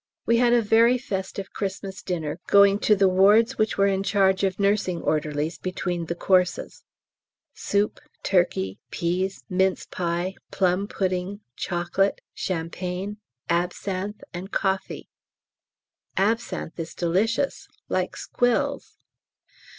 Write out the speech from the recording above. We had a very festive Xmas dinner, going to the wards which were in charge of nursing orderlies between the courses. Soup, turkey, peas, mince pie, plum pudding, chocolate, champagne, absinthe, and coffee. Absinthe is delicious, like squills.